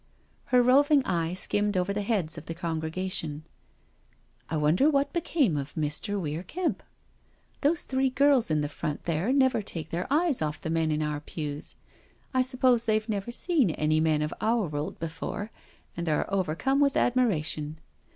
..." Her roving eye skinuned over the heads of the congregation. " I wonder what became of Mr. Weic Kempt ... Those three girls in the front there never take their eyes off the men in our pews. I suppose they've never seen any men of our world before, and are overcome with admiration.